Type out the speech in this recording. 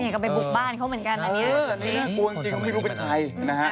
ก็ไปบุกบ้านเขาเหมือนกันอันนี้สิกลัวจริงเขาไม่รู้เป็นใครนะฮะ